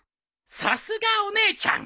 さすがお姉ちゃん！